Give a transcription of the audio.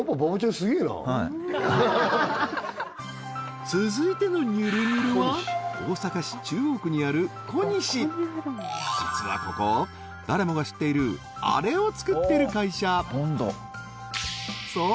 すげえな続いてのにゅるにゅるは大阪市中央区にあるコニシ実はここ誰もが知っているあれを作ってる会社そう！